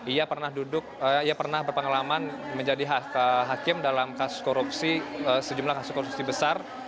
ia pernah duduk ia pernah berpengalaman menjadi hakim dalam kasus korupsi sejumlah kasus korupsi besar